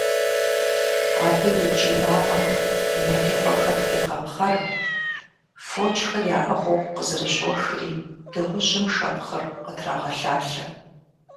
Абы и кӀий макъым мэлыхъуэхэр къегъэпхъэр, фочхэр яӀыгъыу къызэрыщӀохри дыгъужьым шэпхъыр къытрагъэлъалъэ.